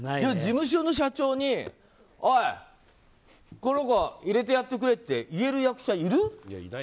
事務所の社長に、おいこの子入れてやってくれって言える役者いる？